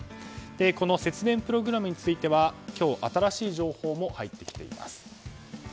この節電プログラムについては今日新しい情報も入ってきています。